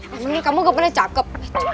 kamu ini kamu kepannya cakep